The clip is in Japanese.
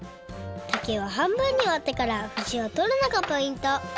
竹は半分にわってからふしをとるのがポイント